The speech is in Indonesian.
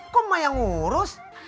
kok emak yang urus